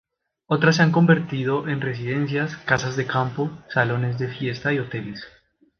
Otras se han convertido en residencias, casas de campo, salones de fiesta y hoteles.